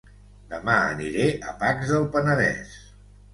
Dema aniré a Pacs del Penedès